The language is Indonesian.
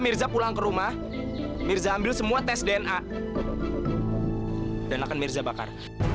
mirza pulang ke rumah mirza ambil semua tes dna dan akan mirza bakar